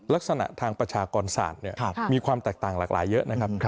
ลักษณะทางประชากรศาสตร์มีความแตกต่างหลากหลายเยอะนะครับ